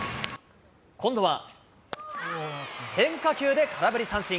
今度は、変化球で空振り三振。